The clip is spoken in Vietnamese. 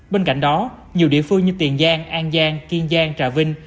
bên cạnh đó nhiều địa phương như tiền giang an giang kiên giang trà vinh